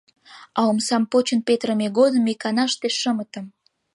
А омсам почын петырыме годым — иканаште шымытым.